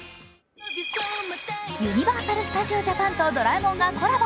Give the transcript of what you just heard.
ユニバーサル・スタジオ・ジャパンと「ドラえもん」がコラボ。